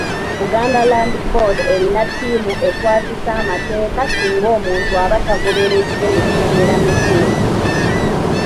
Buganda Land Board erina ttiimu ekwasisa amateeka singa omuntu aba tagoberedde mitendera mituufu.